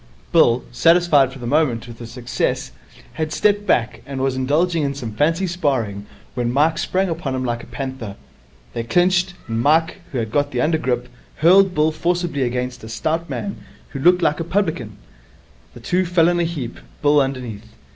Bill, satisfied for the moment with his success, had stepped back, and was indulging in some fancy sparring, when Mike sprang upon him like a panther. They clinched, and Mike, who had got the under grip, hurled Bill forcibly against a stout man who looked like a publican. The two fell in a heap, Bill underneath.